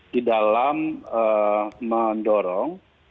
di dalam mendorong